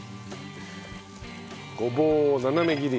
ごぼうを斜め切り。